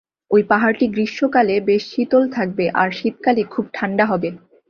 ঐ পাহাড়টি গ্রীষ্মকালে বেশ শীতল থাকবে, আর শীতকালে খুব ঠাণ্ডা হবে।